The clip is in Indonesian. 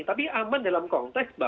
tapi aman dalam konteks